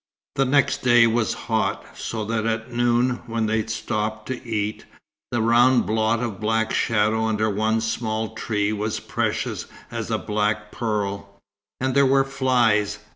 The next day was hot; so that at noon, when they stopped to eat, the round blot of black shadow under one small tree was precious as a black pearl. And there were flies.